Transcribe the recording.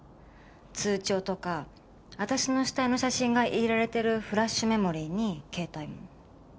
通帳とか私の死体の写真が入れられてるフラッシュメモリに携帯も。